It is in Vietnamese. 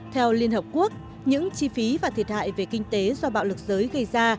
theo liên hợp quốc những chi phí và thiệt hại về kinh tế do bạo lực giới gây ra